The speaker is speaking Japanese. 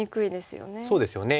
そうですよね。